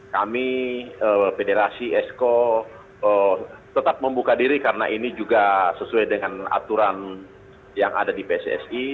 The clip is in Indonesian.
kami federasi esko tetap membuka diri karena ini juga sesuai dengan aturan yang ada di pssi